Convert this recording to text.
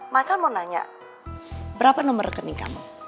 mas cal mau nanya berapa nomor rekening kamu